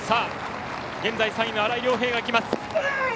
現在３位の新井涼平がいきます。